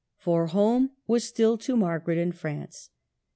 For home was still to Margaret in France.